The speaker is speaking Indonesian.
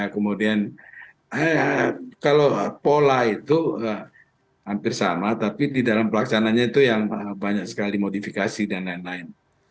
kemudian kalau pola itu hampir sama tapi di dalam pelaksananya itu yang banyak sekali modifikasi dan lain lain